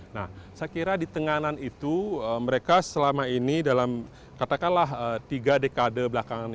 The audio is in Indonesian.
nah saya kira di tenganan itu mereka selama ini dalam katakanlah tiga dekade belakangan